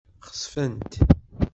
Xesfent.